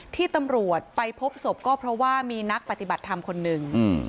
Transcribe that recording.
ที่ตำรวจไปพบศพก็เพราะว่ามีนักปฏิบัติธรรมคนหนึ่ง